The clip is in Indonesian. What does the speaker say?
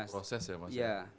proses ya maksudnya